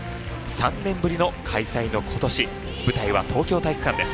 ３年ぶりの開催の今年舞台は東京体育館です。